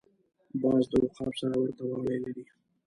باز د عقاب سره ورته والی لري